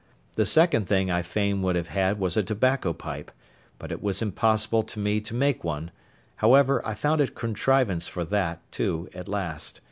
The second thing I fain would have had was a tobacco pipe, but it was impossible to me to make one; however, I found a contrivance for that, too, at last.